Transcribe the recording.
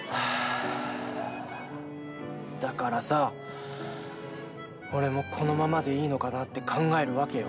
だからさ俺もこのままでいいのかなって考えるわけよ。